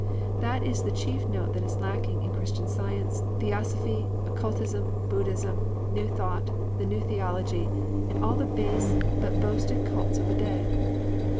That is the chief note that is lacking in Christian Science, Theosophy, Occultism, Buddhism, New Thought, the New Theology and all the base but boasted cults of the day.